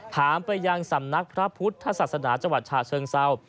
ถามไปยังสำนันตร์พระพุทธศาสนาจวัตรภาคเชิงเศร้า